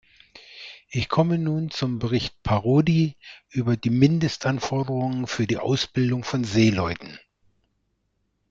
Ich komme nun zum Bericht Parodi über die Mindestanforderungen für die Ausbildung von Seeleuten.